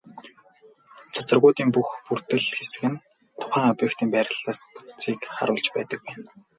Цацрагуудын бүх бүрдэл хэсэг нь тухайн объектын байрлалын бүтцийг харуулж байдаг байна.